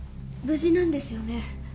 無事なんですよね？